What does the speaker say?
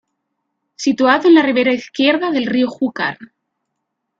Situado en la ribera izquierda del río Júcar.